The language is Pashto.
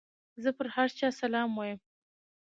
زه پر هر چا سلام وايم.